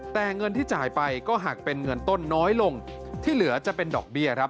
แต่เงินที่จ่ายไปก็หากเป็นเงินต้นน้อยลงที่เหลือจะเป็นดอกเบี้ยครับ